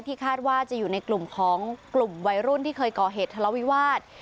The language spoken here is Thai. คาดว่าจะอยู่ในกลุ่มของกลุ่มวัยรุ่นที่เคยก่อเหตุทะเลาวิวาส